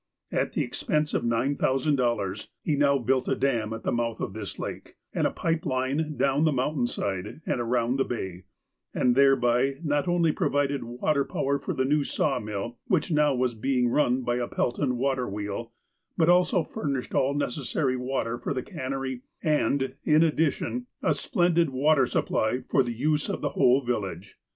At an expense of $9,000 he now built a dam at the mouth of this lake, and a pipe line down the mountain side and around the bay, and thereby not only provided water power for the new sawmill, which now was being run by a Pelton water wheel, but also furnished all neces sary water for the cannery, and, in addition, a splendid water supply for the use of the whole village.